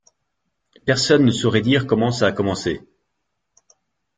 Personne ne saurait dire comment ça a commencé.